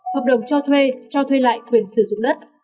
hợp đồng cho thuê cho thuê lại quyền sử dụng đất